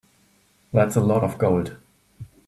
That's a lot of gold.